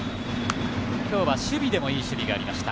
今日は守備でもいい守備がありました。